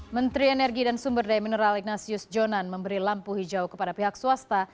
menteri energi dan sumber daya mineral ignasius jonan memberi lampu hijau kepada pihak swasta